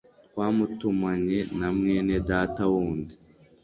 Twamutumanye na mwene Data wundi